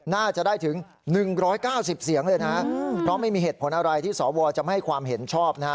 น่าจะได้ถึง๑๙๐เสียงเลยนะเพราะไม่มีเหตุผลอะไรที่สวจะไม่ให้ความเห็นชอบนะฮะ